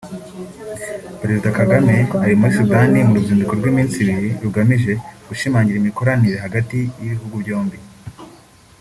Perezida Kagame ari muri Sudani mu ruzinduko rw’iminisi ibiri rugamije gushimangira imikoranire hagati y’ibihugu byombi